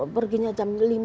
perginya jam lima